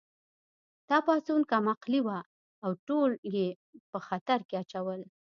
دا پاڅون کم عقلې وه او ټول یې په خطر کې اچول